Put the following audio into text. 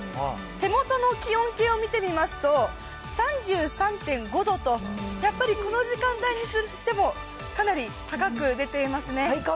手元の気温計を見てみますと、３３．５度と、やっぱり、この時間帯にしてもかなり高く出ていますね。